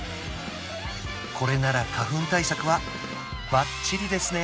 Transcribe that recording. これなら花粉対策はばっちりですね